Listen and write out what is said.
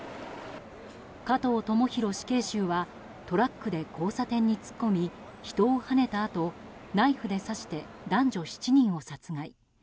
加藤智大死刑囚はトラックで交差点に突っ込み人をはねたあとナイフで刺して男女７人を殺害。